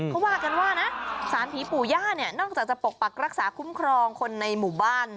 เขาว่ากันว่านะสารผีปู่ย่าเนี่ยนอกจากจะปกปักรักษาคุ้มครองคนในหมู่บ้าน